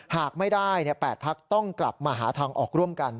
หากไม่ได้๘พักต้องกลับมาหาทางออกร่วมกัน